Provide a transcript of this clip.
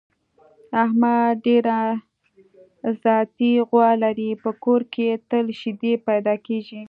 احمد ډېره ذاتي غوا لري، په کور کې یې تل شیدې پیدا کېږي.